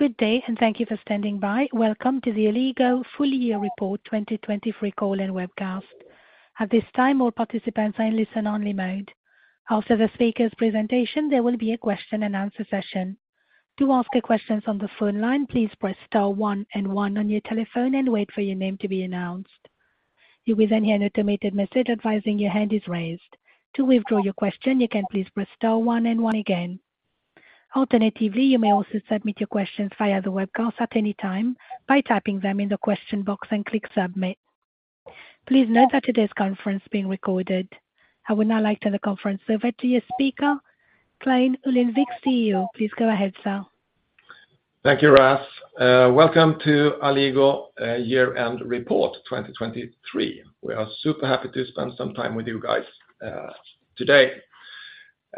Good day, and thank you for standing by. Welcome to the Alligo Full Year Report 2023 Call and Webcast. At this time, all participants are in listen-only mode. After the speaker's presentation, there will be a question-and-answer session. To ask a question on the phone line, please press star one and one on your telephone and wait for your name to be announced. You will then hear an automated message advising your hand is raised. To withdraw your question, you can please press star one and one again. Alternatively, you may also submit your questions via the webcast at any time by typing them in the question box and click Submit. Please note that today's conference is being recorded. I would now like to turn the conference over to your speaker, Clein Johansson Ullenvik, CEO. Please go ahead, sir. Thank you, Raf. Welcome to Alligo Year-End Report 2023. We are super happy to spend some time with you guys today.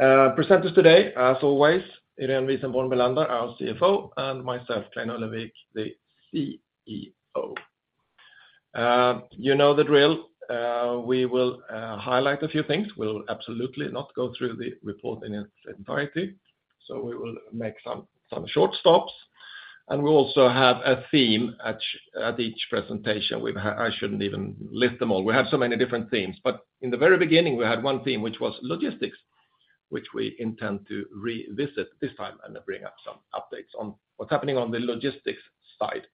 Presenters today, as always, Irene Wisenborn Bellander, our CFO, and myself, Clein Johansson Ullenvik, the CEO. You know the drill. We will highlight a few things. We'll absolutely not go through the report in its entirety, so we will make some short stops. We also have a theme at each presentation. I shouldn't even list them all. We have so many different themes, but in the very beginning, we had one theme, which was logistics, which we intend to revisit this time and bring up some updates on what's happening on the logistics side.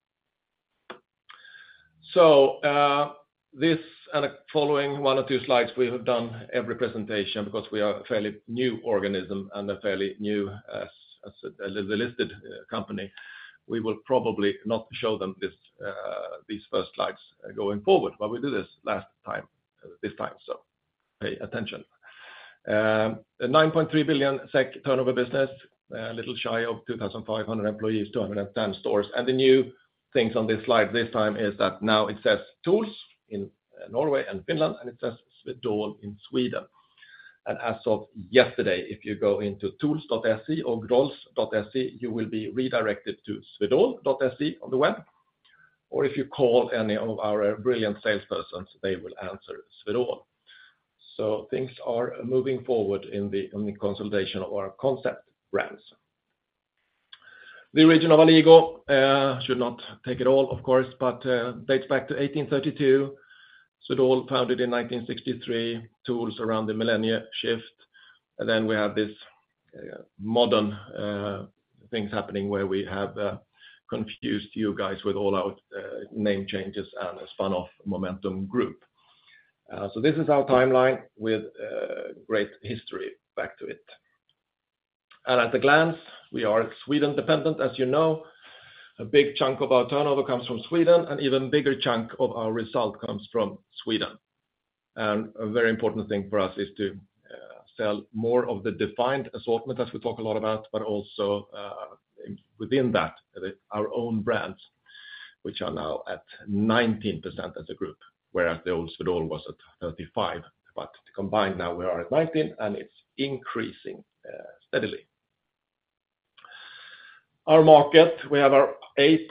So, this and the following one or two slides, we have done every presentation because we are a fairly new organism and a fairly new as a listed company, we will probably not show them this, these first slides going forward, but we did this last time, this time, so pay attention. A 9.3 billion SEK turnover business, a little shy of 2,500 employees, 210 stores. And the new things on this slide this time is that now it says TOOLS in Norway and Finland, and it says Swedol in Sweden. And as of yesterday, if you go into tools.se or swedol.se, you will be redirected to swedol.se on the web, or if you call any of our brilliant salespersons, they will answer Swedol. So things are moving forward in the consolidation of our concept brands. The origin of Alligo should not take it all, of course, but dates back to 1832. Swedol founded in 1963, Tools around the millennium shift. And then we have this modern things happening where we have confused you guys with all our name changes and a spin-off Momentum Group. So this is our timeline with great history back to it. And at a glance, we are Sweden-dependent, as you know. A big chunk of our turnover comes from Sweden, an even bigger chunk of our result comes from Sweden. A very important thing for us is to sell more of the defined assortment, as we talk a lot about, but also within that, our own brands, which are now at 19% as a group, whereas the old Swedol was at 35%. But combined, now we are at 19%, and it's increasing steadily. Our market, we have our eight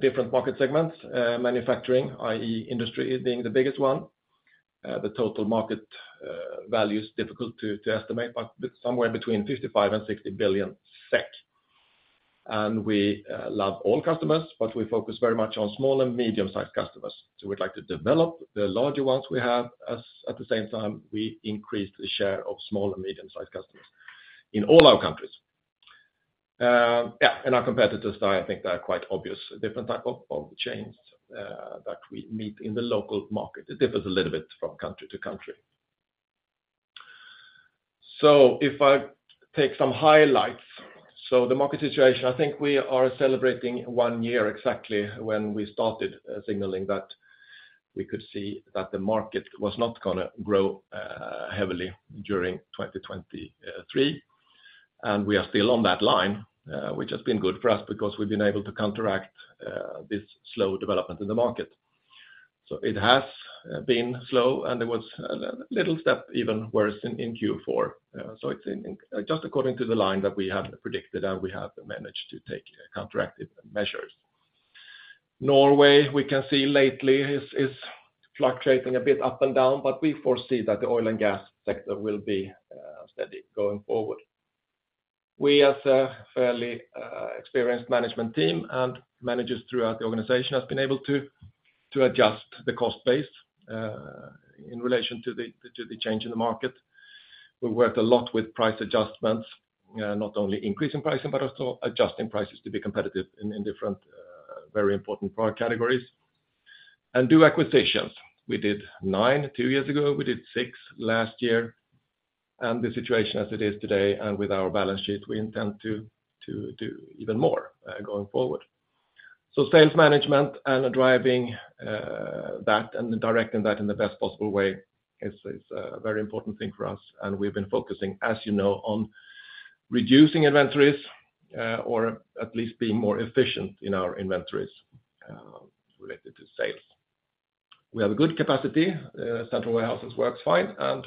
different market segments, manufacturing, i.e., industry being the biggest one. The total market value is difficult to estimate, but somewhere between 55 billion and 60 billion SEK. And we love all customers, but we focus very much on small and medium-sized customers. So we'd like to develop the larger ones we have, as at the same time, we increase the share of small and medium-sized customers in all our countries. Yeah, and our competitors, I think they are quite obvious, different type of chains that we meet in the local market. It differs a little bit from country to country. So if I take some highlights, so the market situation, I think we are celebrating 1 year exactly when we started signaling that we could see that the market was not gonna grow heavily during 2023. And we are still on that line, which has been good for us because we've been able to counteract this slow development in the market. So it has been slow, and there was a little step, even worse in Q4. So it's just according to the line that we have predicted, and we have managed to take counteractive measures. Norway, we can see lately, is fluctuating a bit up and down, but we foresee that the oil and gas sector will be steady going forward. We, as a fairly experienced management team and managers throughout the organization, have been able to adjust the cost base in relation to the change in the market. We worked a lot with price adjustments, not only increasing pricing, but also adjusting prices to be competitive in different very important product categories, and do acquisitions. We did 9 two years ago, we did 6 last year, and the situation as it is today, and with our balance sheet, we intend to do even more going forward. So sales management and driving, that and directing that in the best possible way is, is a very important thing for us, and we've been focusing, as you know, on reducing inventories, or at least being more efficient in our inventories, related to sales. We have a good capacity, central warehouses works fine, and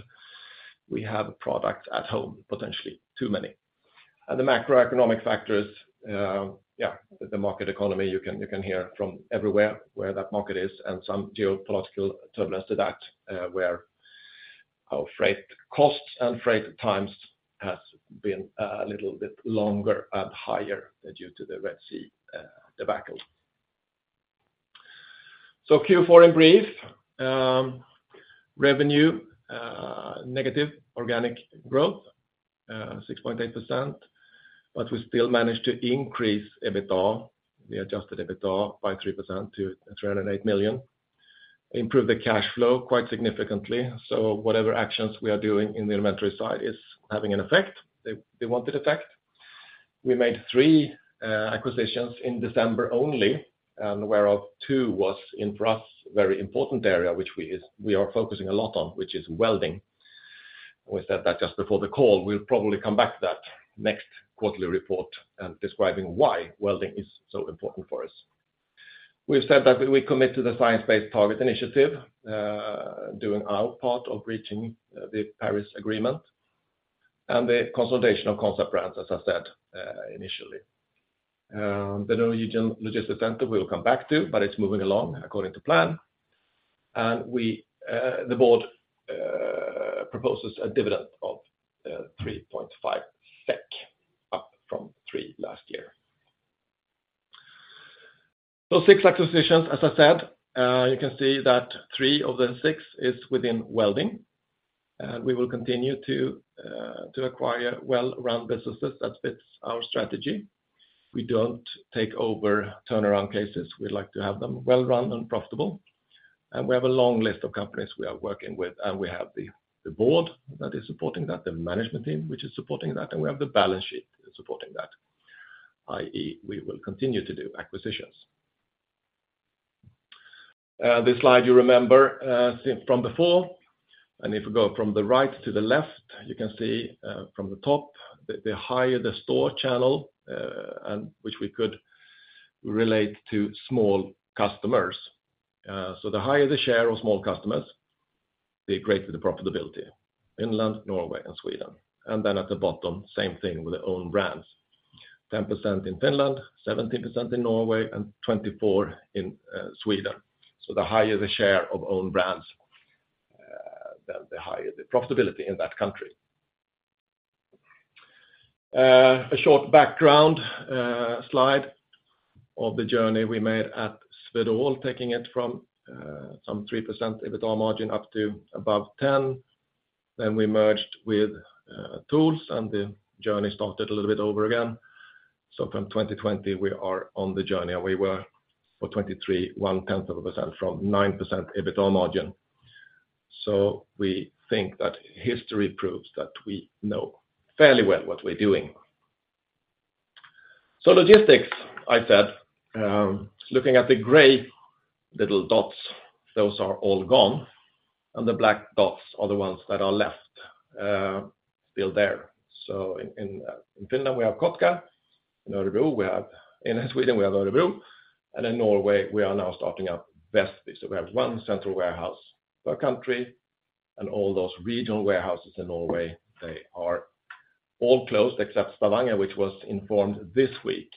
we have a product at home, potentially too many. And the macroeconomic factors, yeah, the market economy, you can, you can hear from everywhere where that market is and some geopolitical turbulence to that. Our freight costs and freight times has been, a little bit longer and higher due to the Red Sea, debacle. So Q4 in brief, revenue, negative organic growth, 6.8%, but we still managed to increase EBITDA, the adjusted EBITDA, by 3% to 308 million. Improved the cash flow quite significantly, so whatever actions we are doing in the inventory side is having an effect, the, the wanted effect. We made 3 acquisitions in December only, and whereof two was in, for us, very important area, which we are focusing a lot on, which is welding. We said that just before the call. We'll probably come back to that next quarterly report and describing why welding is so important for us. We've said that we commit to the Science Based Targets initiative, doing our part of reaching, the Paris Agreement and the consolidation of concept brands, as I said, initially. The Norwegian logistics center, we will come back to, but it's moving along according to plan. And we, the board, proposes a dividend of 3.5 SEK, up from 3 last year. 6 acquisitions, as I said, you can see that 3 of the 6 is within welding. We will continue to acquire well-run businesses that fits our strategy. We don't take over turnaround cases. We like to have them well-run and profitable. And we have a long list of companies we are working with, and we have the board that is supporting that, the management team, which is supporting that, and we have the balance sheet supporting that, i.e., we will continue to do acquisitions. This slide you remember from before. If you go from the right to the left, you can see, from the top that the higher the store channel, and which we could relate to small customers. So the higher the share of small customers, the greater the profitability, Finland, Norway, and Sweden. And then at the bottom, same thing with their own brands, 10% in Finland, 17% in Norway, and 24% in Sweden. So the higher the share of own brands, the, the higher the profitability in that country. A short background, slide of the journey we made at Swedol, taking it from, some 3% EBITDA margin up to above 10%. Then we merged with TOOLS, and the journey started a little bit over again. So from 2020, we are on the journey, and we were for 2023, 0.1% from 9% EBITDA margin. So we think that history proves that we know fairly well what we're doing. So logistics, I said, looking at the gray little dots, those are all gone, and the black dots are the ones that are left, still there. So in Finland, we have Kotka, in Sweden, we have Örebro, and in Norway, we are now starting up Vestby. So we have one central warehouse per country, and all those regional warehouses in Norway, they are all closed, except Stavanger, which was informed this week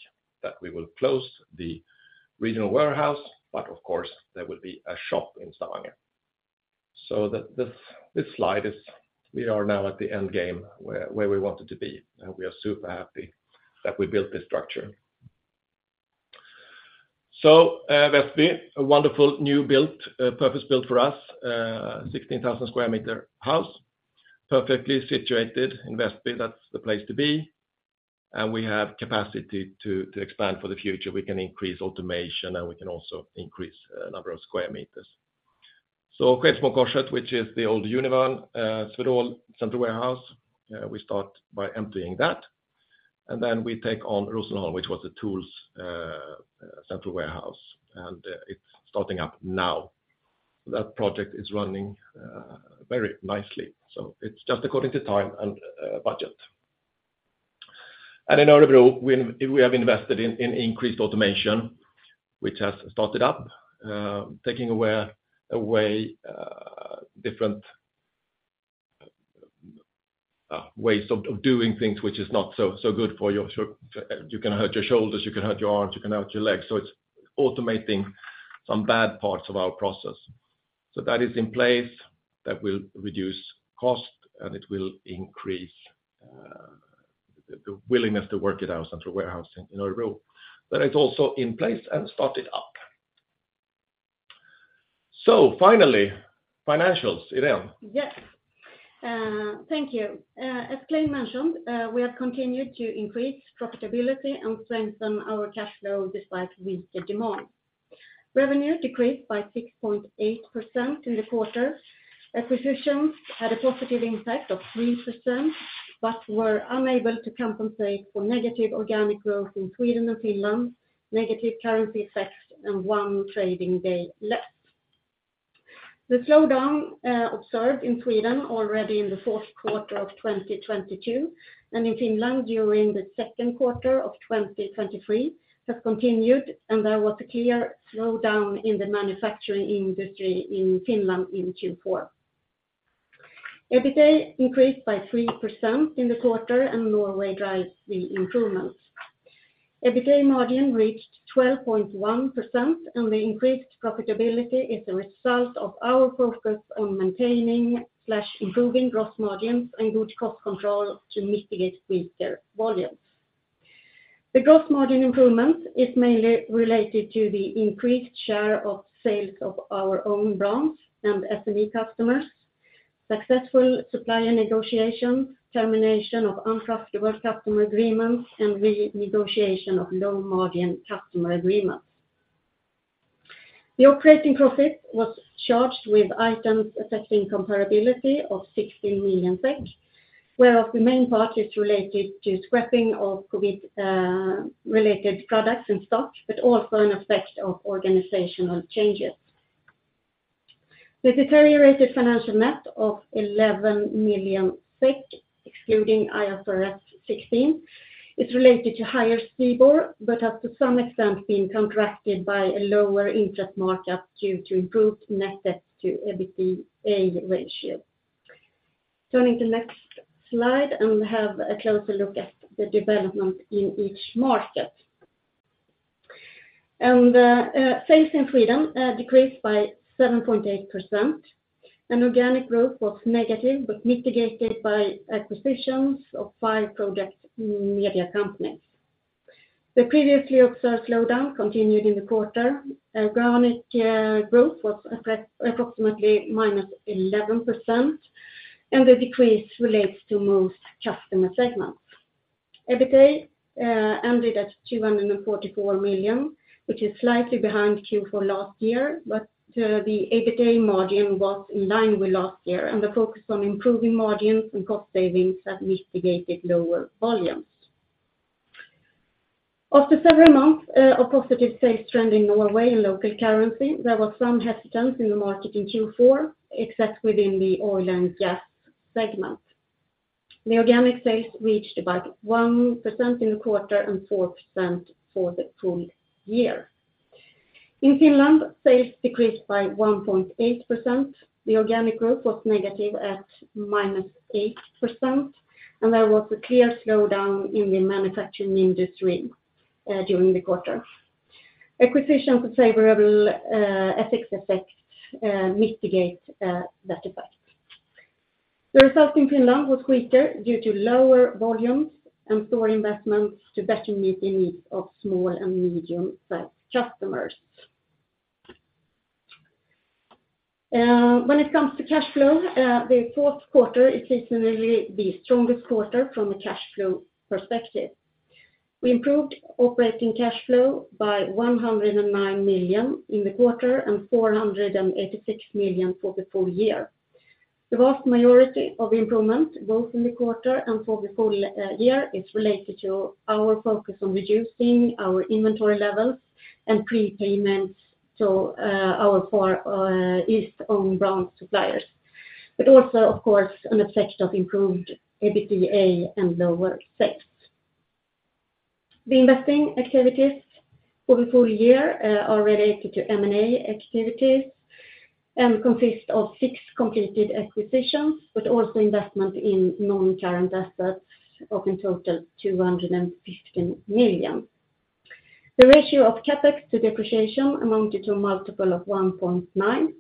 that we will close the regional warehouse, but of course, there will be a shop in Stavanger. So this slide is, we are now at the end game where we wanted to be, and we are super happy that we built this structure. Vestby, a wonderful new built, purpose-built for us, 16,000 square meter house, perfectly situated in Vestby. That's the place to be, and we have capacity to expand for the future. We can increase automation, and we can also increase number of square meters. Skedsmokorset which is the old Univern, Swedol central warehouse, we start by emptying that, and then we take on Rosenholm, which was the TOOLS's, central warehouse, and it's starting up now. That project is running very nicely, so it's just according to time and budget. And in Örebro, we have invested in increased automation, which has started up, taking away away different ways of doing things which is not so so good for your sh- you can hurt your shoulders, you can hurt your arms, you can hurt your legs. So it's automating some bad parts of our process. So that is in place. That will reduce cost, and it will increase the the willingness to work at our central warehouse in Örebro. But it's also in place and started up. So finally, financials, Irene? Yes, thank you. As Clein mentioned, we have continued to increase profitability and strengthen our cash flow despite weaker demand. Revenue decreased by 6.8% in the quarter. Acquisitions had a positive impact of 3%, but were unable to compensate for negative organic growth in Sweden and Finland, negative currency effects, and one trading day left. The slowdown observed in Sweden already in the fourth quarter of 2022, and in Finland during the second quarter of 2023, has continued, and there was a clear slowdown in the manufacturing industry in Finland in Q4. EBITDA increased by 3% in the quarter, and Norway drives the improvements. EBITDA margin reached 12.1%, and the increased profitability is a result of our focus on maintaining slash improving gross margins and good cost control to mitigate weaker volumes. The gross margin improvement is mainly related to the increased share of sales of our own brands and SME customers, successful supplier negotiation, termination of unprofitable customer agreements, and renegotiation of low margin customer agreements. The operating profit was charged with items affecting comparability of 16 million SEK, where the main part is related to scrapping of COVID related products in stock, but also an effect of organizational changes. The deteriorated financial net of 11 million SEK, excluding IFRS 16, is related to higher STIBOR, but has to some extent been contracted by a lower interest market due to improved net debt to EBITDA ratio. Turning to next slide, we have a closer look at the development in each market. Sales in Sweden decreased by 7.8%. An organic growth was negative, but mitigated by acquisitions of 5 project media companies. The previously observed slowdown continued in the quarter. Organic growth was approximately -11%, and the decrease relates to most customer segments. EBITDA ended at 244 million, which is slightly behind Q4 last year, but the EBITDA margin was in line with last year, and the focus on improving margins and cost savings have mitigated lower volumes. After several months of positive sales trend in Norway in local currency, there was some hesitance in the market in Q4, except within the oil and gas segment. The organic sales reached about 1% in the quarter and 4% for the full year. In Finland, sales decreased by 1.8%. The organic growth was negative at -8%, and there was a clear slowdown in the manufacturing industry during the quarter. Acquisitions favorable, FX effect mitigate that effect. The result in Finland was weaker due to lower volumes and store investments to better meet the needs of small medium-sized customers. When it comes to cash flow, the fourth quarter is typically the strongest quarter from a cash flow perspective. We improved operating cash flow by 109 million in the quarter and 486 million for the full year. The vast majority of improvement, both in the quarter and for the full year, is related to our focus on reducing our inventory levels and prepayments to our Far East own brand suppliers, but also, of course, an effect of improved EBITDA and lower tax. The investing activities for the full year are related to M&A activities and consist of six completed acquisitions, but also investment in non-current assets of in total 215 million. The ratio of CapEx to depreciation amounted to a multiple of 1.9,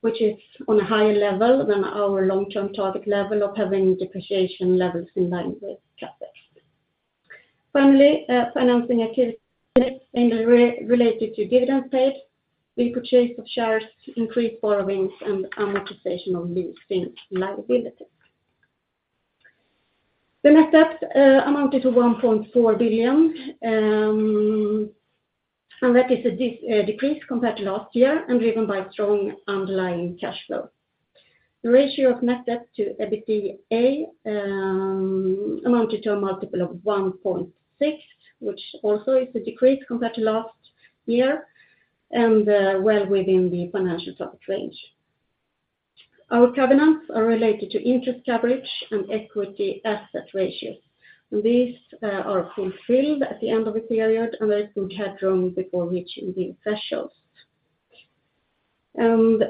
which is on a higher level than our long-term target level of having depreciation levels in line with CapEx. Finally, financing activities related to dividend paid, the purchase of shares to increase borrowings and amortization of leasing liabilities. The next steps amounted to 1.4 billion, and that is a decrease compared to last year and driven by strong underlying cash flow. The ratio of net debt to EBITDA amounted to a multiple of 1.6x, which also is a decrease compared to last year and well within the financial support range. Our covenants are related to interest coverage and equity asset ratios. These are fulfilled at the end of the period, and we had room before reaching the thresholds. And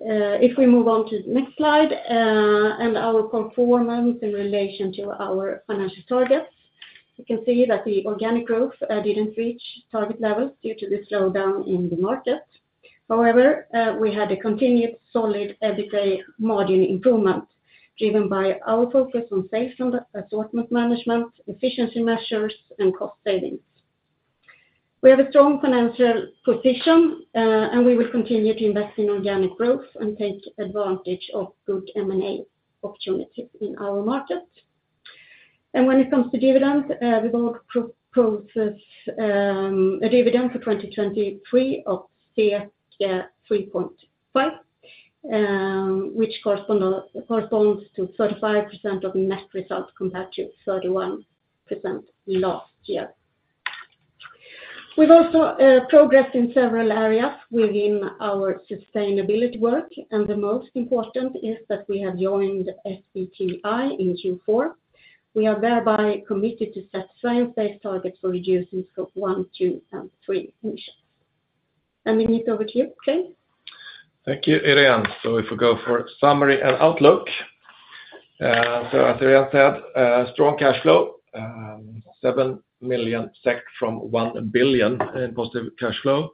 if we move on to the next slide and our performance in relation to our financial targets, you can see that the organic growth didn't reach target levels due to the slowdown in the market. However, we had a continued solid EBITDA margin improvement, driven by our focus on sales assortment management, efficiency measures, and cost savings. We have a strong financial position, and we will continue to invest in organic growth and take advantage of good M&A opportunities in our market. When it comes to dividends, we propose a dividend for 2023 of SEK 3.5, which corresponds to 35% of net results compared to 31% last year. We've also progressed in several areas within our sustainability work, and the most important is that we have joined SBTi in Q4. We are thereby committed to set science-based targets for reducing scope one, two, and three emissions. We move over to you, Clein? Thank you, Irene. So if we go for summary and outlook, so as Irene said, a strong cash flow, 7 million SEK from 1 billion in positive cash flow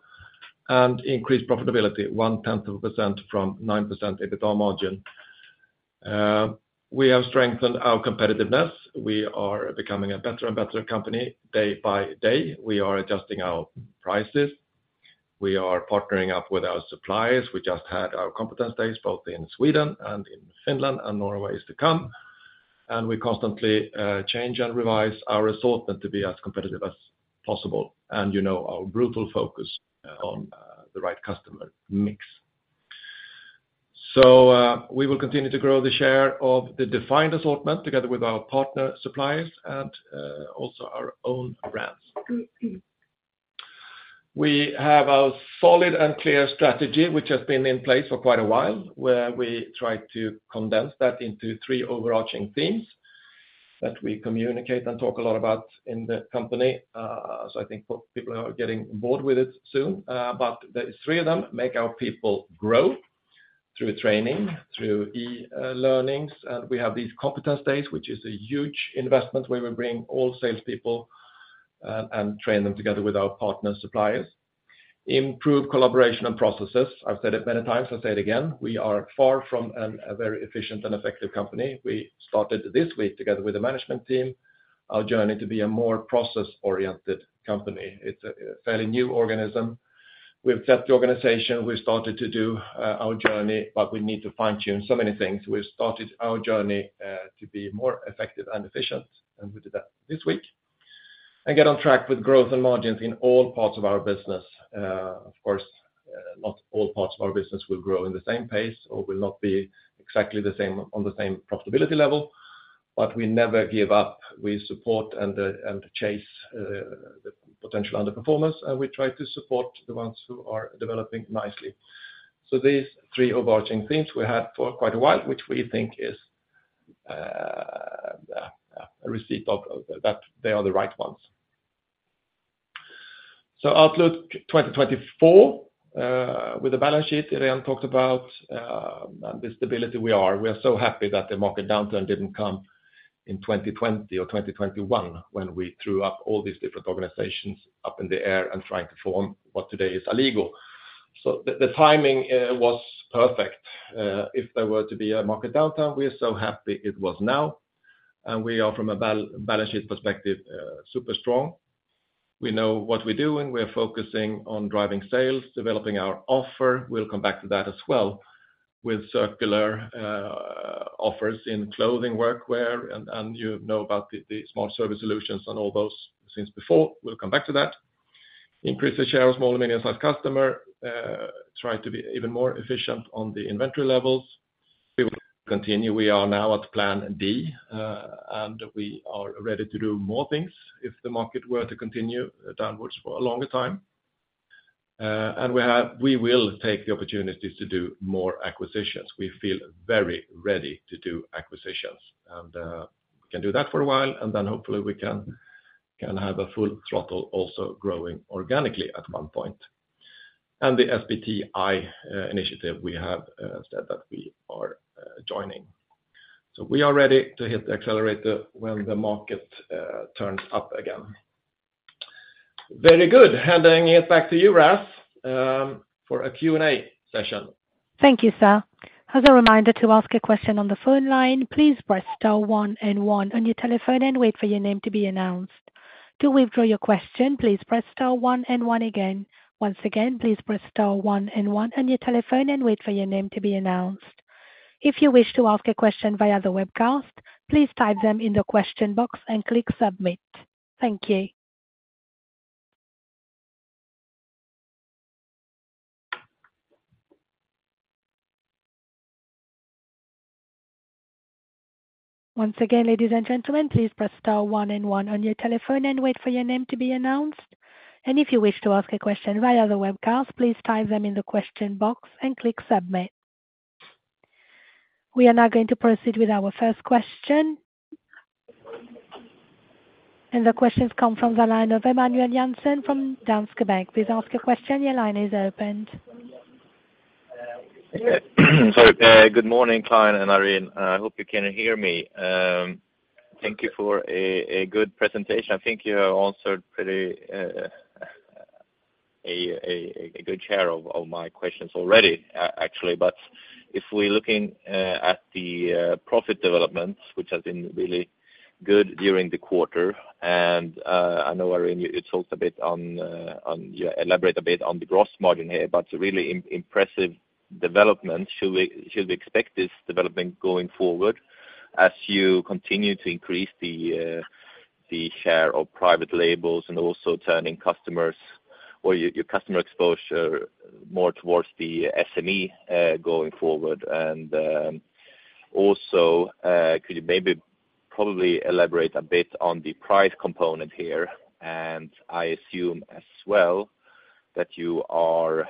and increased profitability, 0.1% from 9% EBITDA margin. We have strengthened our competitiveness. We are becoming a better and better company day by day. We are adjusting our prices. We are partnering up with our suppliers. We just had our competence days, both in Sweden and in Finland, and Norway is to come. We constantly change and revise our assortment to be as competitive as possible, and you know, our brutal focus on the right customer mix. So, we will continue to grow the share of the defined assortment together with our partner suppliers and also our own brands. We have a solid and clear strategy, which has been in place for quite a while, where we try to condense that into three overarching themes that we communicate and talk a lot about in the company. So I think people are getting bored with it soon, but the three of them make our people grow through training, through e-learnings. And we have these competence days, which is a huge investment, where we bring all salespeople and train them together with our partner suppliers. Improve collaboration and processes. I've said it many times, I'll say it again, we are far from a very efficient and effective company. We started this week, together with the management team, our journey to be a more process-oriented company. It's a fairly new organism. We've set the organization. We started to do our journey, but we need to fine-tune so many things. We started our journey to be more effective and efficient, and we did that this week. And get on track with growth and margins in all parts of our business. Of course, not all parts of our business will grow in the same pace or will not be exactly the same, on the same profitability level, but we never give up. We support and chase the potential underperformers, and we try to support the ones who are developing nicely. So these three overarching things we had for quite a while, which we think is a recipe of that they are the right ones. So outlook 2024, with the balance sheet Irene talked about, the stability we are. We are so happy that the market downturn didn't come in 2020 or 2021, when we threw up all these different organizations up in the air and trying to form what today is Alligo. So the timing was perfect. If there were to be a market downturn, we are so happy it was now, and we are from a balance sheet perspective super strong. We know what we do, and we are focusing on driving sales, developing our offer. We'll come back to that as well with circular offers in clothing, workwear, and you know about the small service solutions and all those since before. We'll come back to that. Increase the share of small and medium-sized customer, try to be even more efficient on the inventory levels. We will continue. We are now at plan B, and we are ready to do more things if the market were to continue downwards for a longer time. And we have, we will take the opportunities to do more acquisitions. We feel very ready to do acquisitions, and, we can do that for a while, and then hopefully we can, can have a full throttle also growing organically at one point. And the SBTi initiative, we have said that we are joining. So we are ready to hit the accelerator when the market turns up again. Very good. Handing it back to you, Ras, for a Q&A session. Thank you, sir. As a reminder, to ask a question on the phone line, please press star one and one on your telephone and wait for your name to be announced. To withdraw your question, please press star one and one again. Once again, please press star one and one on your telephone and wait for your name to be announced. If you wish to ask a question via the webcast, please type them in the question box and click submit. Thank you. Once again, ladies and gentlemen, please press star one and one on your telephone and wait for your name to be announced. If you wish to ask a question via the webcast, please type them in the question box and click submit. We are now going to proceed with our first question. The question comes from the line of Emanuel Jansson, from Danske Bank. Please ask your question. Your line is opened. So, good morning, Clein and Irene. I hope you can hear me. Thank you for a good presentation. I think you have answered pretty a good share of my questions already, actually. But if we're looking at the profit development, which has been really good during the quarter, and I know, Irene, you talked a bit on, yeah, elaborate a bit on the gross margin here, but really impressive development. Should we expect this development going forward as you continue to increase the share of private labels and also turning customers or your customer exposure more towards the SME going forward? And, also, could you maybe probably elaborate a bit on the price component here? And I assume as well, that you are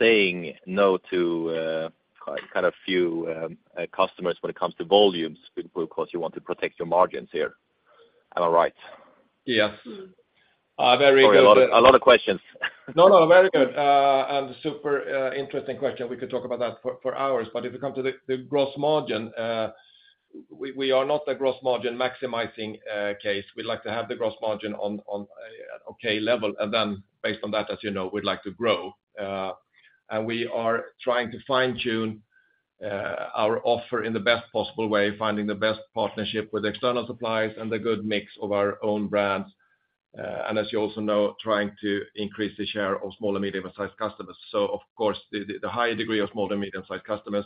saying no to quite a few customers when it comes to volumes, because you want to protect your margins here. Am I right? Yes. Very good- Sorry, a lot of, a lot of questions. No, no, very good. And super interesting question. We could talk about that for hours, but if it comes to the gross margin, we are not the gross margin maximizing case. We like to have the gross margin on an okay level, and then based on that, as you know, we'd like to grow. And we are trying to fine-tune our offer in the best possible way, finding the best partnership with external suppliers and the good mix of our own brands. And as you also know, trying to increase the share of small and medium-sized customers. So of course, the higher degree of small to medium-sized customers,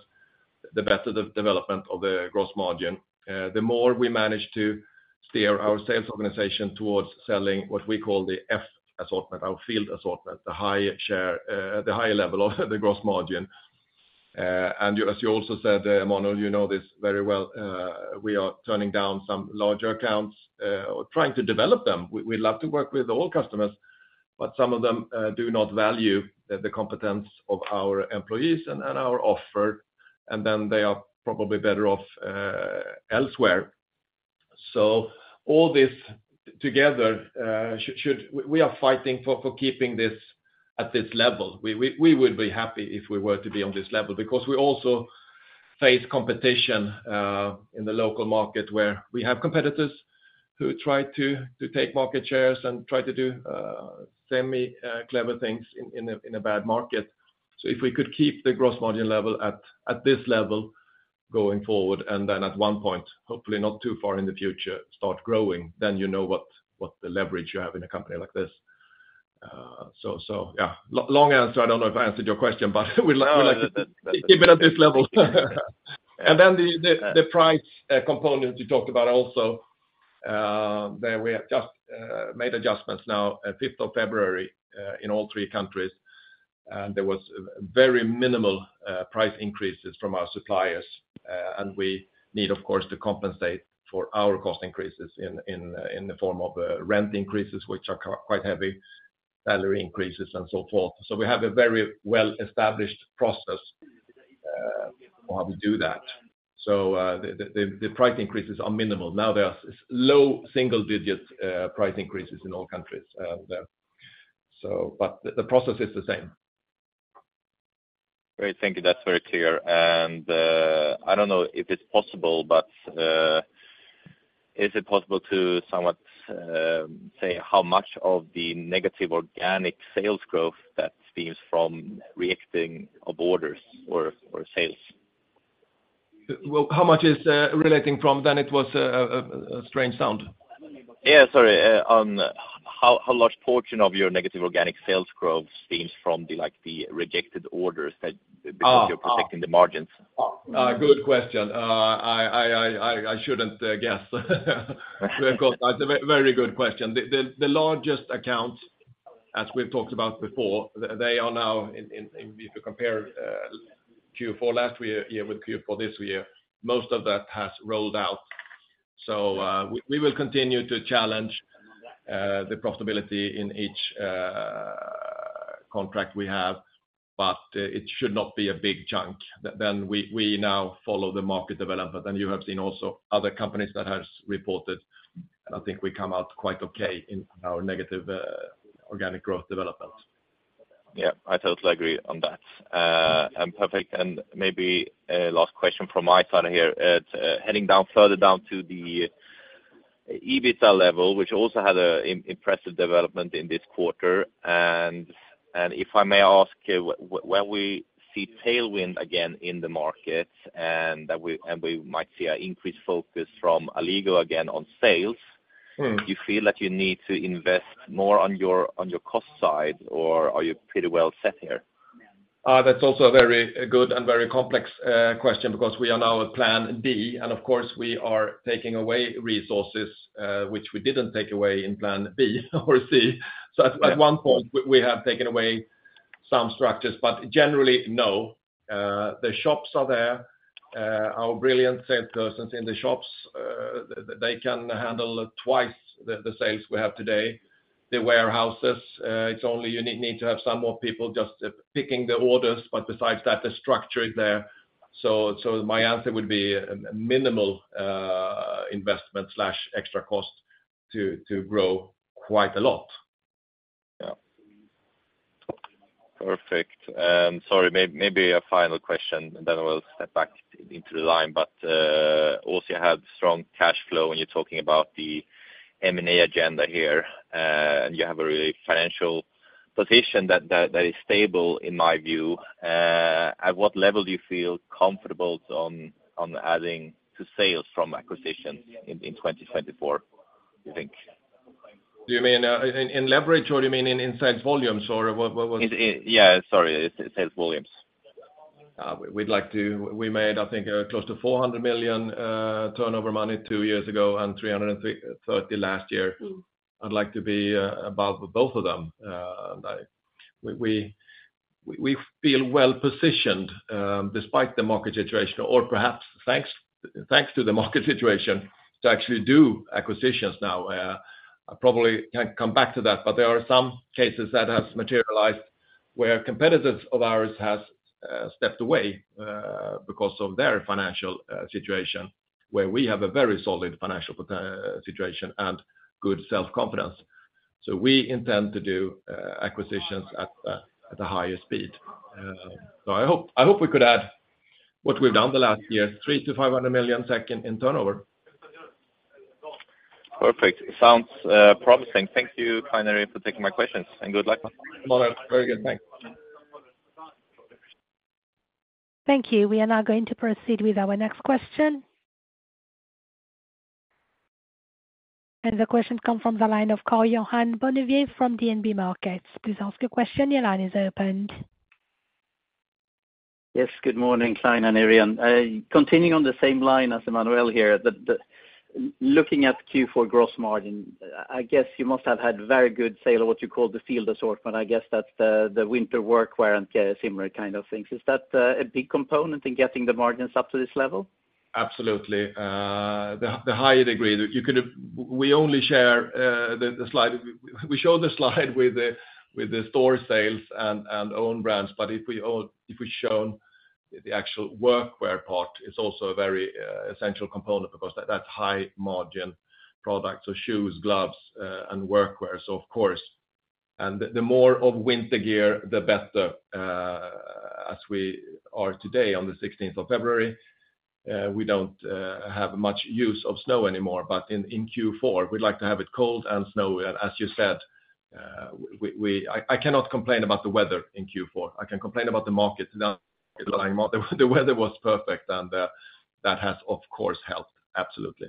the better the development of the gross margin. The more we manage to steer our sales organization towards selling what we call the F Assortment, our field assortment, the high share, the higher level of the gross margin. And as you also said, Mono, you know this very well, we are turning down some larger accounts or trying to develop them. We love to work with all customers, but some of them do not value the competence of our employees and our offer, and then they are probably better off elsewhere. So all this together should. We are fighting for keeping this at this level. We would be happy if we were to be on this level, because we also face competition in the local market, where we have competitors who try to take market shares and try to do semi clever things in a bad market. So if we could keep the gross margin level at this level going forward, and then at one point, hopefully not too far in the future, start growing, then you know what the leverage you have in a company like this. So yeah, long answer. I don't know if I answered your question, but we'd like to keep it at this level. And then the price component you talked about also, there we have just made adjustments now, fifth of February, in all three countries, and there was very minimal price increases from our suppliers. And we need, of course, to compensate for our cost increases in, in, in the form of rent increases, which are quite heavy, salary increases, and so forth. So we have a very well-established process on how we do that. So, the price increases are minimal. Now, there are low single digit price increases in all countries, there, so but the process is the same. Great, thank you. That's very clear. And, I don't know if it's possible, but, is it possible to somewhat say how much of the negative organic sales growth that stems from rebooking of orders or sales? Well, how much is relating from? Then it was a strange sound. Yeah, sorry, on how large portion of your negative organic sales growth stems from the, like, the rejected orders that- Ah. because you're protecting the margins? Ah, good question. I shouldn't guess. Of course, that's a very good question. The largest account, as we've talked about before, they are now in if you compare Q4 last year with Q4 this year, most of that has rolled out. So, we will continue to challenge the profitability in each contract we have, but it should not be a big chunk. Then we now follow the market development, and you have seen also other companies that has reported, and I think we come out quite okay in our negative organic growth development. Yeah, I totally agree on that. And perfect, and maybe a last question from my side here. It's heading down, further down to the EBITDA level, which also had an impressive development in this quarter. And if I may ask, when we see tailwind again in the market, and that we might see an increased focus from Alligo again on sales- Mm. Do you feel that you need to invest more on your, on your cost side, or are you pretty well set here? That's also a very good and very complex question because we are now at plan B, and of course, we are taking away resources, which we didn't take away in plan B or C. Yeah. So at one point we have taken away some structures, but generally, no. The shops are there. Our brilliant salespersons in the shops, they can handle twice the sales we have today. The warehouses, it's only you need to have some more people just picking the orders, but besides that, the structure is there. So my answer would be minimal investment/extra cost to grow quite a lot. Yeah. Perfect. Sorry, maybe a final question, and then I will step back into the line. But, also you have strong cash flow when you're talking about the M&A agenda here, and you have a really financial position that is stable in my view. At what level do you feel comfortable on adding to sales from acquisitions in 2024, you think? Do you mean in leverage, or you mean in sales volumes, or what? Yeah, sorry, in sales volumes. We'd like to, we made, I think, close to 400 million turnover money two years ago and 330 million last year. I'd like to be above both of them. We feel well positioned, despite the market situation, or perhaps thanks to the market situation, to actually do acquisitions now. I probably can come back to that, but there are some cases that has materialized... where competitors of ours has stepped away, because of their financial situation, where we have a very solid financial situation and good self-confidence. So we intend to do acquisitions at the highest speed. So I hope we could add what we've done the last year, 300-500 million in turnover. Perfect. It sounds promising. Thank you, Clein, for taking my questions, and good luck. Very good. Thanks. Thank you. We are now going to proceed with our next question. The question come from the line of Karl-Johan Bonnevier from DNB Markets. Please ask your question. Your line is opened. Yes, good morning, Clein and Irene. Continuing on the same line as Emanuel here, looking at Q4 gross margin, I guess you must have had very good sale of what you call the field assortment. I guess that's the winter work wear and similar kind of things. Is that a big component in getting the margins up to this level? Absolutely. The higher degree that you could have—we only share the slide. We show the slide with the store sales and own brands, but if we had shown the actual workwear part, it's also a very essential component because that's high-margin products, so shoes, gloves, and workwear, so of course. The more of winter gear, the better. As we are today, on the sixteenth of February, we don't have much use of snow anymore, but in Q4, we'd like to have it cold and snowy. As you said, I cannot complain about the weather in Q4. I can complain about the market, not the weather. The weather was perfect, and that has, of course, helped, absolutely.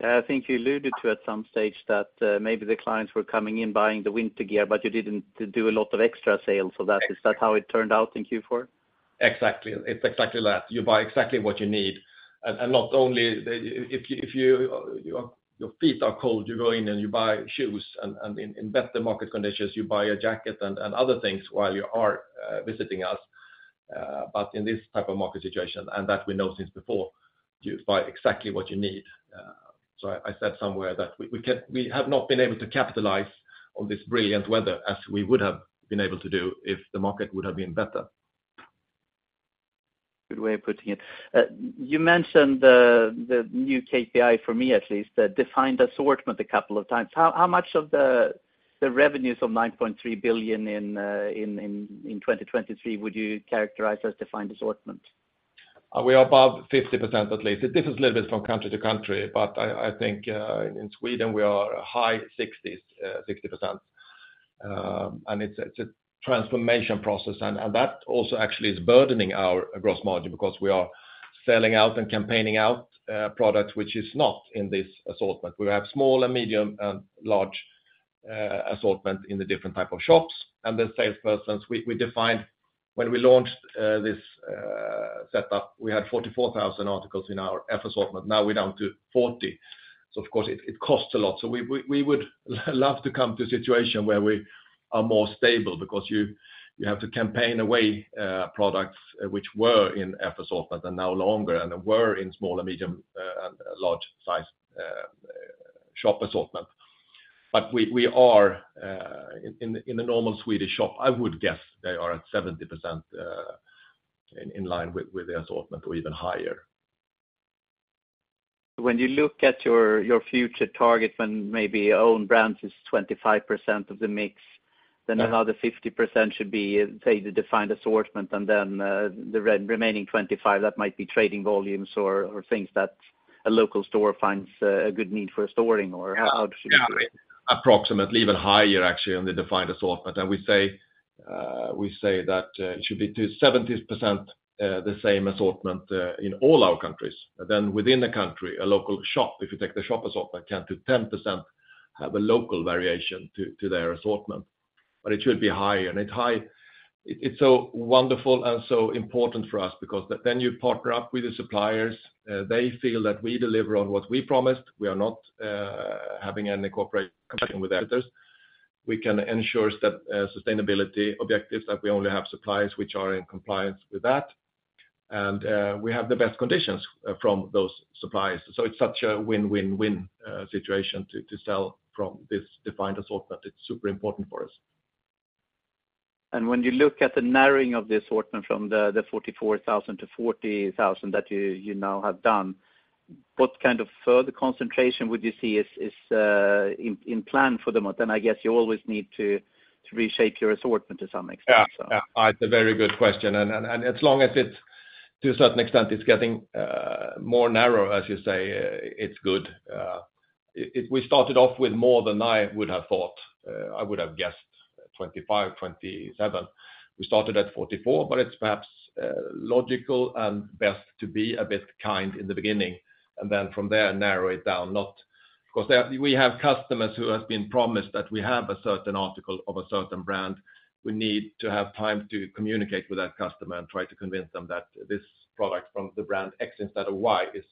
Yeah, I think you alluded to at some stage that maybe the clients were coming in, buying the winter gear, but you didn't do a lot of extra sales for that. Is that how it turned out in Q4? Exactly. It's exactly that. You buy exactly what you need, and not only, if your feet are cold, you go in and you buy shoes, and in better market conditions, you buy a jacket and other things while you are visiting us. But in this type of market situation, and that we know since before, you buy exactly what you need. So I said somewhere that we can, we have not been able to capitalize on this brilliant weather as we would have been able to do if the market would have been better. Good way of putting it. You mentioned the, the new KPI for me at least, the defined assortment a couple of times. How, how much of the, the revenues of 9.3 billion in, in, in 2023 would you characterize as defined assortment? We are above 50% at least. It differs a little bit from country to country, but I think in Sweden, we are high 60s, 60%. And it's a transformation process, and that also actually is burdening our gross margin because we are selling out and campaigning out products which is not in this assortment. We have small and medium and large assortment in the different type of shops, and the salespersons, we define when we launched this setup, we had 44,000 articles in our F assortment, but now we're down to 40. So of course, it costs a lot. So we would love to come to a situation where we are more stable because you have to campaign away products which were in F Assortment and no longer, and were in small and medium and large size shop assortment. But we are in the normal Swedish shop, I would guess they are at 70% in line with the assortment or even higher. When you look at your future target when maybe own brands is 25% of the mix, then another 50% should be, say, the defined assortment, and then the remaining 25%, that might be trading volumes or things that a local store finds a good need for storing or how would you- Yeah, approximately, even higher, actually, on the defined assortment. And we say that it should be 70%, the same assortment, in all our countries. Then within the country, a local shop, if you take the shop assortment, can to 10%, have a local variation to their assortment, but it should be high, and it high. It's so wonderful and so important for us because then you partner up with the suppliers, they feel that we deliver on what we promised. We are not having any cooperation with others. We can ensure step sustainability objectives, that we only have suppliers which are in compliance with that, and we have the best conditions from those suppliers. So it's such a win-win-win situation to sell from this defined assortment. It's super important for us. When you look at the narrowing of the assortment from the 44,000 to 40,000 that you now have done, what kind of further concentration would you see is in plan for the month? I guess you always need to reshake your assortment to some extent. Yeah, yeah. It's a very good question. And as long as it's, to a certain extent, it's getting more narrow, as you say, it's good. We started off with more than I would have thought. I would have guessed 25, 27. We started at 44, but it's perhaps logical and best to be a bit kind in the beginning, and then from there, narrow it down. Not... Because we have customers who have been promised that we have a certain article of a certain brand. We need to have time to communicate with that customer and try to convince them that this product from the brand X instead of Y is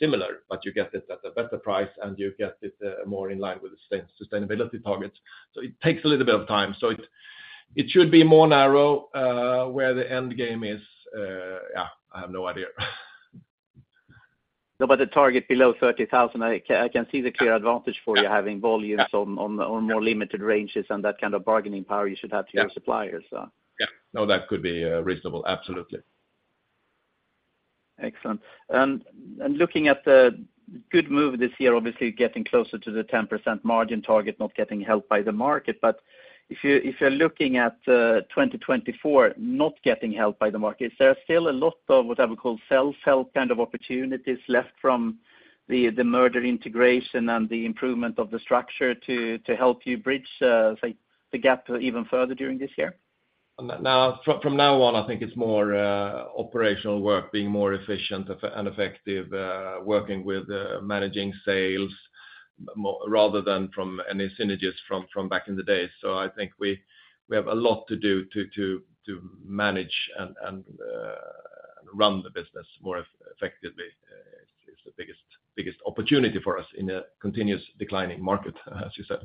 similar, but you get it at a better price, and you get it more in line with the sustainability targets. So it takes a little bit of time. So it should be more narrow, where the end game is. Yeah, I have no idea. No, but the target below 30,000, I can see the clear advantage for you having volumes on more limited ranges and that kind of bargaining power you should have to your suppliers, so. Yeah. No, that could be reasonable. Absolutely. Excellent. And looking at the good move this year, obviously getting closer to the 10% margin target, not getting helped by the market. But if you're looking at 2024, not getting helped by the market, is there still a lot of what I would call self-help kind of opportunities left from the merger integration and the improvement of the structure to help you bridge, say, the gap even further during this year? Now, from now on, I think it's more operational work, being more efficient and effective, working with managing sales more rather than from any synergies from back in the day. So I think we have a lot to do to manage and run the business more effectively is the biggest opportunity for us in a continuous declining market, as you said.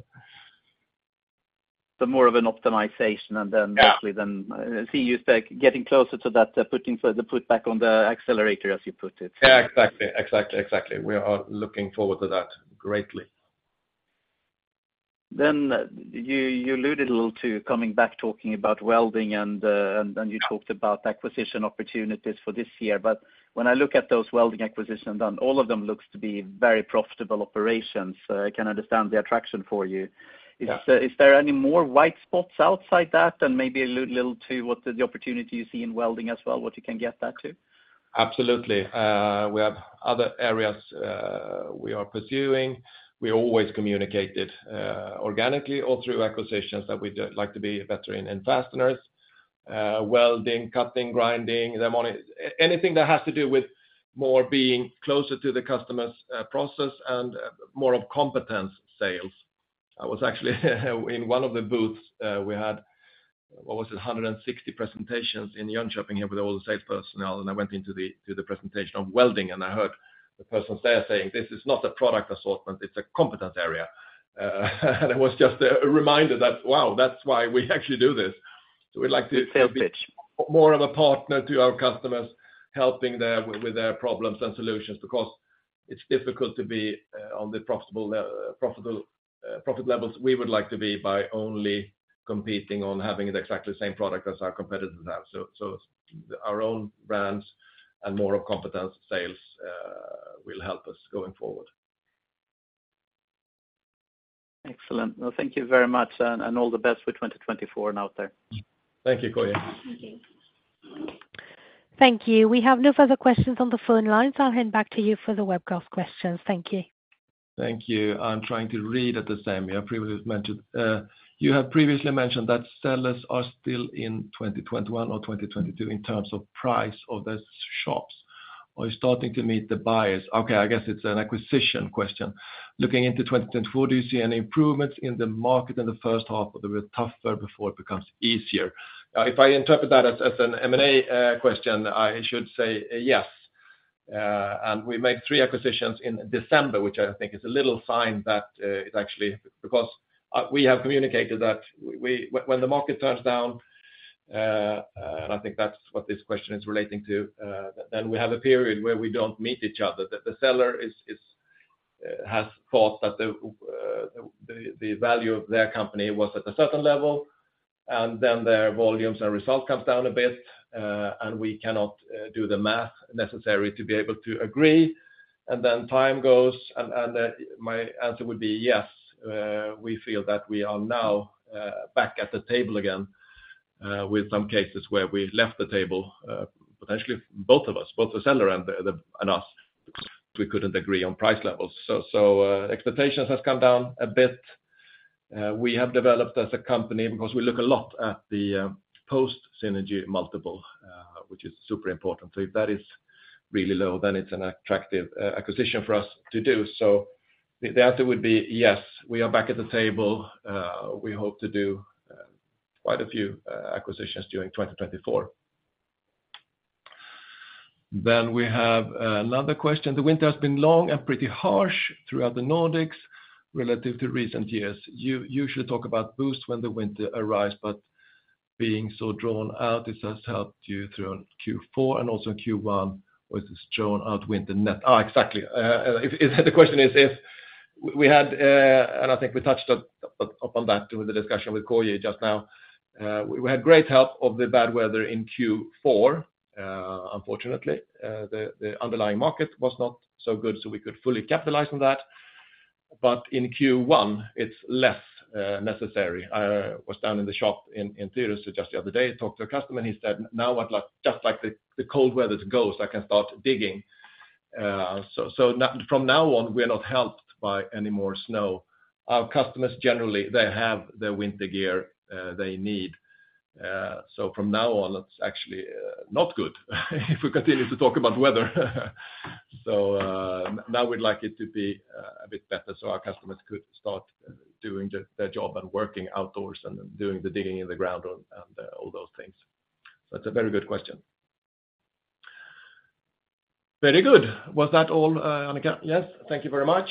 So more of an optimization and then- Yeah Actually then, I see you say, getting closer to that, putting the foot back on the accelerator, as you put it. Yeah, exactly, exactly, exactly. We are looking forward to that greatly. Then you, you alluded a little to coming back, talking about welding and you talked about acquisition opportunities for this year. But when I look at those welding acquisitions, and all of them looks to be very profitable operations, so I can understand the attraction for you. Yeah. Is there, is there any more white spots outside that? And maybe allude a little to what the opportunity you see in welding as well, what you can get that, too. Absolutely. We have other areas we are pursuing. We always communicated, organically or through acquisitions, that we'd like to be better in, in fasteners, welding, cutting, grinding, and anything that has to do with more being closer to the customer's, process and more of competence sales. I was actually, in one of the booths, we had, what was it? 160 presentations in Jönköping with all the sales personnel, and I went into the, to the presentation on welding, and I heard the persons there saying, "This is not a product assortment, it's a competence area." It was just a, a reminder that, wow, that's why we actually do this. So we'd like to- Sales pitch More of a partner to our customers, helping them with their problems and solutions, because it's difficult to be on the profitable profit levels we would like to be by only competing on having the exactly same product as our competitors have. So our own brands and more of competence sales will help us going forward. Excellent. Well, thank you very much, and all the best for 2024 and out there. Thank you, K-J. Thank you. Thank you. We have no further questions on the phone lines. I'll hand back to you for the webcast questions. Thank you. Thank you. I'm trying to read at the same. You have previously mentioned that sellers are still in 2021 or 2022 in terms of price of their shops. Are you starting to meet the buyers? Okay, I guess it's an acquisition question. Looking into 2024, do you see any improvements in the market in the first half, or it will be tougher before it becomes easier? If I interpret that as an M&A question, I should say yes. And we made 3 acquisitions in December, which I think is a little sign that it's actually because we have communicated that we, when the market turns down, and I think that's what this question is relating to, then we have a period where we don't meet each other. That the seller has thought that the value of their company was at a certain level, and then their volumes and result comes down a bit, and we cannot do the math necessary to be able to agree, and then time goes, and my answer would be yes. We feel that we are now back at the table again with some cases where we left the table, potentially both of us, both the seller and us. We couldn't agree on price levels. So expectations has come down a bit. We have developed as a company because we look a lot at the post-synergy multiple, which is super important. So if that is really low, then it's an attractive acquisition for us to do. So the answer would be, yes, we are back at the table. We hope to do quite a few acquisitions during 2024. Then we have another question. The winter has been long and pretty harsh throughout the Nordics relative to recent years. You usually talk about boost when the winter arrives, but being so drawn out, this has helped you through Q4 and also Q1, which is drawn out winter. Exactly. The question is, if we had, and I think we touched upon that during the discussion with Koye just now. We had great help of the bad weather in Q4. Unfortunately, the underlying market was not so good, so we could fully capitalize on that. But in Q1, it's less necessary. I was down in the shop in Tyresö just the other day, talked to a customer, and he said, "Now what? Like, just like the cold weather goes, I can start digging." From now on, we are not helped by any more snow. Our customers, generally, they have the winter gear they need. So from now on, that's actually not good, if we continue to talk about weather. So now we'd like it to be a bit better, so our customers could start doing their job and working outdoors and doing the digging in the ground and all those things. So it's a very good question. Very good. Was that all on account? Yes. Thank you very much.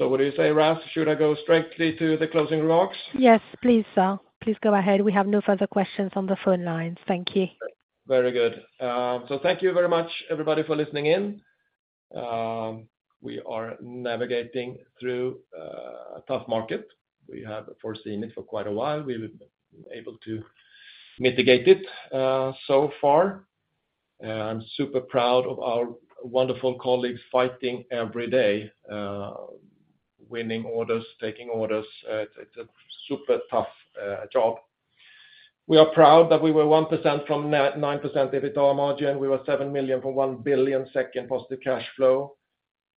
So what do you say, Raph? Should I go straightly to the closing remarks? Yes, please, sir. Please go ahead. We have no further questions on the phone lines. Thank you. Very good. So thank you very much, everybody, for listening in. We are navigating through a tough market. We have foreseen it for quite a while. We were able to mitigate it so far. I'm super proud of our wonderful colleagues fighting every day, winning orders, taking orders. It's a super tough job. We are proud that we were 1% from 9.9% EBITDA margin. We were 7 million from 1 billion second positive cash flow.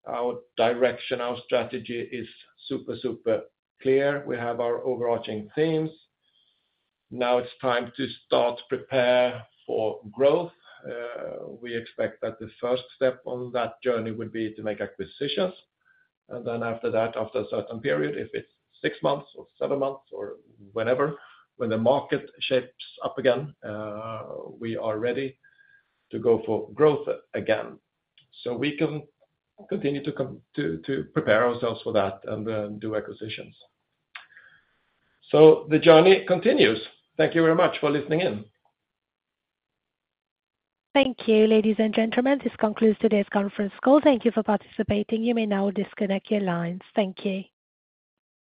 Our direction, our strategy is super, super clear. We have our overarching themes. Now it's time to start prepare for growth. We expect that the first step on that journey would be to make acquisitions. Then after that, after a certain period, if it's six months or seven months or whenever, when the market shapes up again, we are ready to go for growth again. So we can continue to prepare ourselves for that and do acquisitions. So the journey continues. Thank you very much for listening in. Thank you, ladies and gentlemen. This concludes today's conference call. Thank you for participating. You may now disconnect your lines. Thank you.